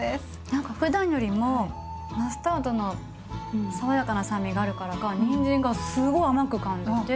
何かふだんよりもマスタードの爽やかな酸味があるからかにんじんがすごい甘く感じて。